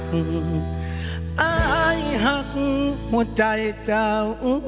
อายหักหัวใจเจ้า